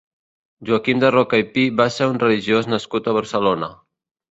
Joaquim de Roca i Pi va ser un religiós nascut a Barcelona.